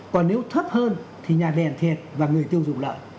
còn nếu thấp hơn thì nhà đẻ thiệt và người tiêu dụng lợi